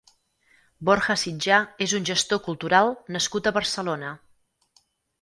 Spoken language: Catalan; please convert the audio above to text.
Borja Sitjà és un gestor cultural nascut a Barcelona.